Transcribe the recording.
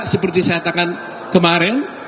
seperti saya katakan kemarin